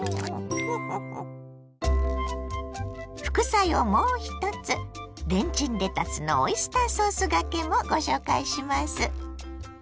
副菜をもう１つレンチンレタスのオイスターソースがけもご紹介します。